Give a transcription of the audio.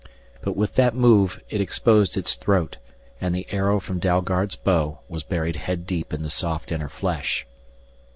But with that move it exposed its throat, and the arrow from Dalgard's bow was buried head deep in the soft inner flesh.